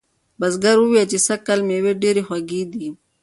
بزګر وویل چې سږکال مېوې ډیرې خوږې دي.